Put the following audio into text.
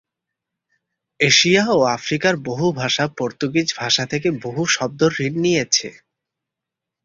Asia ও আফ্রিকার বহু ভাষা পর্তুগিজ ভাষা থেকে বহু শব্দ ঋণ নিয়েছে।